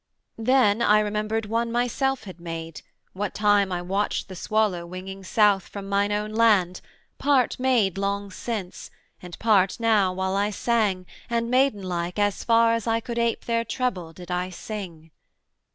Then I remembered one myself had made, What time I watched the swallow winging south From mine own land, part made long since, and part Now while I sang, and maidenlike as far As I could ape their treble, did I sing.